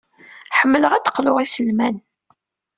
Ḥemmleɣ ad d-qluɣ iselman.